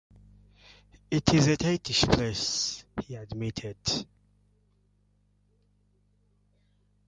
"It is a tightish place," he admitted.